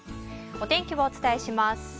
お天気をお伝えします。